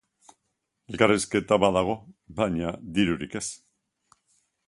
Elkarrizketa badago, baina dirurik ez.